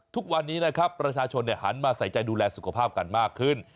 ทุกวันนี้นะครับประชาชนหันมาใส่ใจดูแลสุขภาพกันมากขึ้น